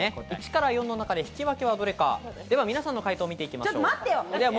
１から４の中で引き分けはどれか、皆さんの解答を見ていきましょう。